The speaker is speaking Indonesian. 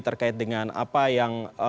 terkait dengan apa yang